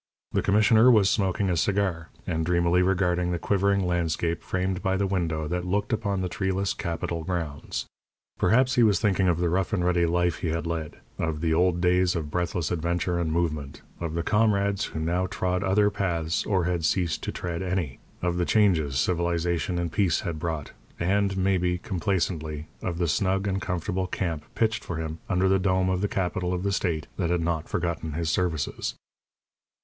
The commissioner was smoking a cigar, and dreamily regarding the quivering landscape framed by the window that looked upon the treeless capitol grounds. Perhaps he was thinking of the rough and ready life he had led, of the old days of breathless adventure and movement, of the comrades who now trod other paths or had ceased to tread any, of the changes civilization and peace had brought, and, maybe, complacently, of the snug and comfortable camp pitched for him under the dome of the capitol of the state that had not forgotten his services.